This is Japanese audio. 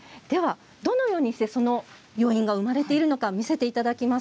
どのようにして余韻が生まれているのか見せていただきます。